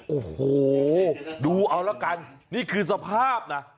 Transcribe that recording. โอ้โหดูเอาละกันนี่คือสภาพนะ